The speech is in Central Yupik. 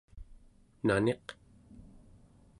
naniq